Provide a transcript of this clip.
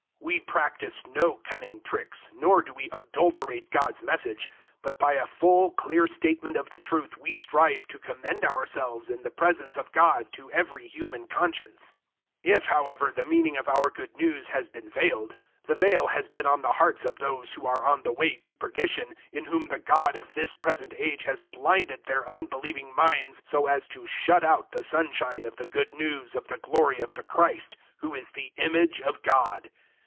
We practice no cunning tricks, nor do we adulterate God's Message. But by a full clear statement of the truth we strive to commend ourselves in the presence of God to every human conscience. 004:003 If, however, the meaning of our Good News has been veiled, the veil has been on the hearts of those who are on the way to perdition, 004:004 in whom the god of this present age has blinded their unbelieving minds so as to shut out the sunshine of the Good News of the glory of the Christ, who is the image of God.